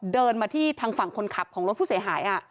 เดินมาที่ทางฝั่งคนขับของรถผู้เสียหาย